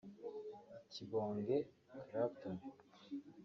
Kibonge Clapton